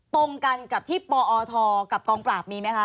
ตรงกันกับที่ปอทกับกองปราบมีไหมคะ